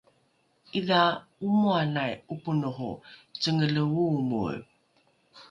’idha omoanai ’oponoho cengele oomoe